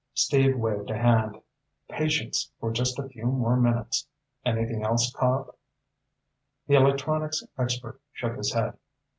Steve waved a hand. "Patience for just a few more minutes. Anything else, Cobb?" The electronics expert shook his head.